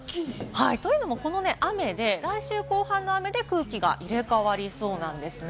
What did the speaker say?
というのもこの雨で、来週、後半の雨で空気が入れ替わりそうなんです。